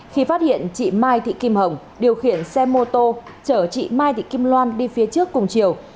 khi phát hiện chị mai thị kim hồng điều khiển xe mô tô chở chị mai thị kim loan đi phía trước cùng chiều